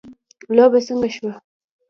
لوبه څنګه شوه